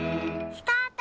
・スタート！